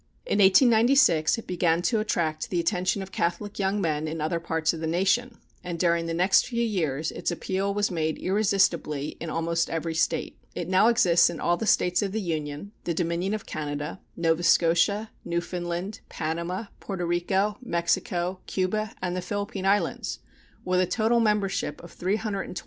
In 1896 it began to attract the attention of Catholic young men in other parts of the nation, and during the next few years its appeal was made irresistibly in almost every State. It now exists in all the States of the Union, the Dominion of Canada, Nova Scotia, Newfoundland, Panama, Porto Rico, Mexico, Cuba, and the Philippine Islands, with a total membership of 328,000, of whom 108,000 are insurance members and 220,000 associate members.